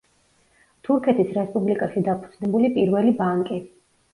თურქეთის რესპუბლიკაში დაფუძნებული პირველი ბანკი.